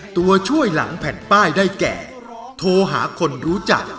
ตัวช่วยหลังแผ่นป้ายได้แก่โทรหาคนรู้จัก